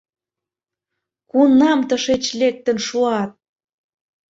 Кунам тышеч лектын шуат!